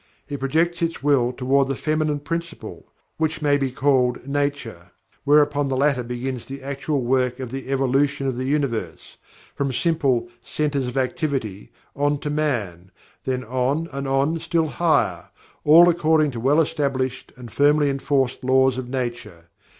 It projects its Will toward the Feminine Principle (which may be called "Nature") whereupon the latter begins the actual work of the evolution of the Universe, from simple "centers of activity" on to man, and then on and on still higher, all according to well established and firmly enforced Laws of Nature.